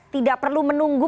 tidak perlu menunggu